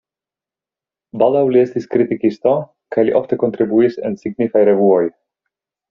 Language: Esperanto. Baldaŭ li estis kritikisto kaj li ofte kontribuis en signifaj revuoj.